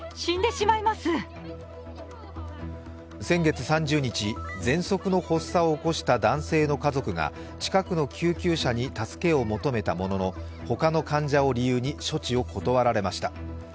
先月３０日、ぜんそくの発作を起こした男性の家族が近くの救急車に助けを求めたものの他の患者を理由に処置を断られました。